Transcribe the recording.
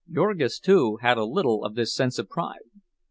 Jurgis too had a little of this sense of pride.